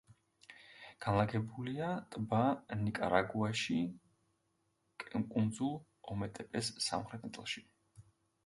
განლაგებულია ტბა ნიკარაგუაში, კუნძულ ომეტეპეს სამხრეთ ნაწილში.